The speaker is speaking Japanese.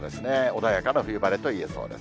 穏やかな冬晴れといえそうです。